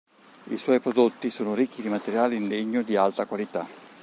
I suoi prodotti sono ricchi di materiali in legno di alta qualità.